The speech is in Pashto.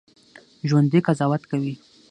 ژوندي قضاوت کوي